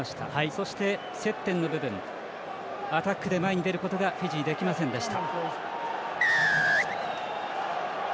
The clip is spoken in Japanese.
そして接点の部分アタックで前に出ることがフィジーはできませんでした。